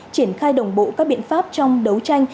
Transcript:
triển khai đồng bộ các biện pháp trong đấu tranh